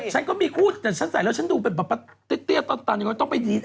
ฉันก็มีคู่แต่ฉันใส่แล้วฉันดูเป็นแบบเตี้ยตันก็ต้องไปดี